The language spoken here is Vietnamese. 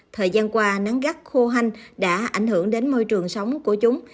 thời gian qua nắng gắt khô hanh đã ảnh hưởng đến môi trường sống của chúng